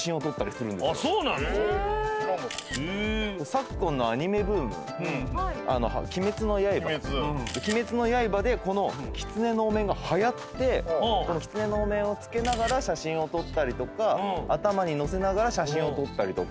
昨今のアニメブーム『鬼滅の刃』『鬼滅の刃』でこのキツネのお面がはやってこのキツネのお面を着けながら写真を撮ったりとか頭にのせながら写真を撮ったりとか。